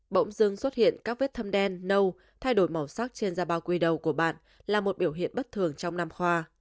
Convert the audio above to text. bỗng dưng xuất hiện các vết thâm đen nâu thay đổi màu sắc trên da bao quy đầu của bạn là một biểu hiện bất thường trong năm khoa